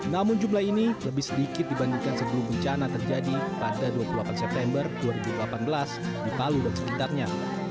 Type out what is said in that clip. namun jumlah ini lebih sedikit dibandingkan sebelum bencana terjadi pada dua puluh delapan september dua ribu delapan belas di palu dan sekitarnya